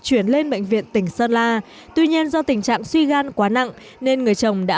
chuyển lên bệnh viện tỉnh sơn la tuy nhiên do tình trạng suy gan quá nặng nên người chồng đã